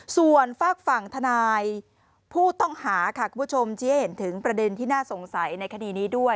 ส่วนฝากฝั่งทนายผู้ต้องหาค่ะคุณผู้ชมที่ให้เห็นถึงประเด็นที่น่าสงสัยในคดีนี้ด้วย